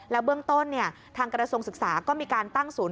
แล้วเบื้องต้นทางกรสงส์ศึกษาก็มีการตั้งศูนย์